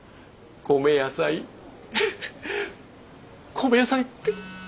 米野菜！って。